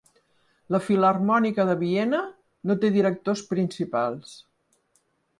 La Filharmònica de Viena no té directors principals.